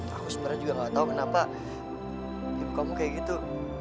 aku sebenernya juga gak tau kenapa ibu kamu kayak gitu